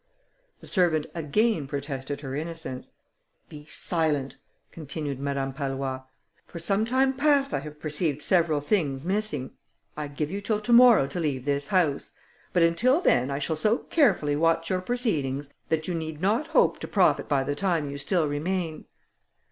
The servant again protested her innocence. "Be silent," continued Madame Pallois; "for some time past I have perceived several things missing; I give you till to morrow to leave the house; but until then I shall so carefully watch your proceedings, that you need not hope to profit by the time you still remain."